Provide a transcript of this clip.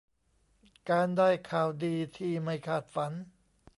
การได้ข่าวดีที่ไม่คาดฝัน